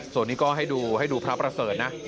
ส่วนนี้ก็ให้ดูให้ดูพระประเสริฐนะ